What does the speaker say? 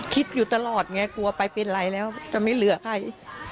คิดอยู่ตลอดไงกลัวไปเป็นไรแล้วจะไม่เหลือใคร